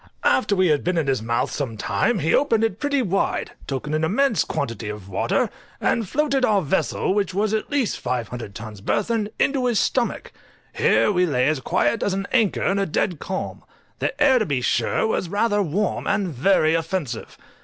After we had been in his mouth some time he opened it pretty wide, took in an immense quantity of water, and floated our vessel, which was at least 500 tons burthen, into his stomach; here we lay as quiet as at anchor in a dead calm. The air, to be sure, was rather warm, and very offensive.